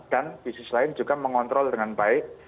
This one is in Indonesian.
dan bisnis lain juga mengontrol dengan baik